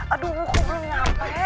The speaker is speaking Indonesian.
aduh aku belum sampai